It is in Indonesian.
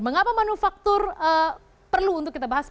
mengapa manufaktur perlu untuk kita bahas